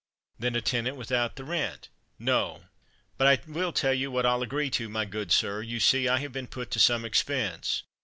"Then a tenant without the rent." "No; but I will tell you what I'll agree to, my good sir you see, I have been put to some expense.